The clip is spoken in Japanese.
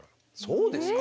そうですか？